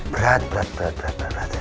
berat berat berat berat